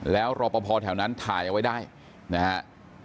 แล้วรอปภแถวนั้นถ่ายเอาไว้ได้นะฮะ